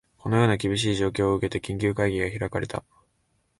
このような厳しい状況を受けて、緊急会議が開かれた